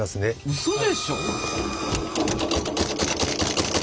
うそでしょ？